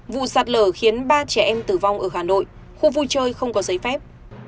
vụ sạt lở khiến ba trẻ em tử vong ở hà nội khu vui chơi không có giấy phép